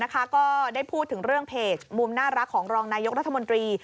ก็ได้พูดถึงเรื่องเพจมุมน่ารักของรองนายกรัฐมนตรี